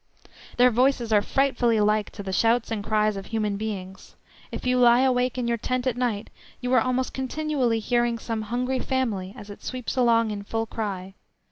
Their voices are frightfully like to the shouts and cries of human beings. If you lie awake in your tent at night you are almost continually hearing some hungry family as it sweeps along in full cry.